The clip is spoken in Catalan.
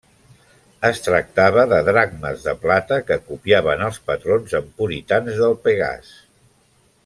Es tractava de dracmes de plata que copiaven els patrons emporitans del pegàs.